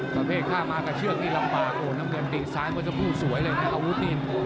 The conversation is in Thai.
ประเภท๕มากับเชือกนี่ลำบากโอ้น้ำเงินตีซ้ายเมื่อสักครู่สวยเลยนะอาวุธนี่